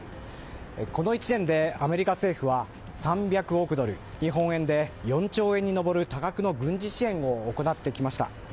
この１年で、アメリカ政府は３００億ドル日本円で４兆円に上る多額の軍事支援を行ってきました。